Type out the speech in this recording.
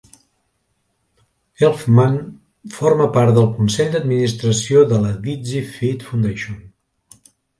Elfman forma part del consell d'administració de la Dizzy Feet Foundation.